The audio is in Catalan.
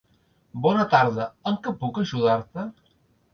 Bona tarda, en què puc ajudar-te?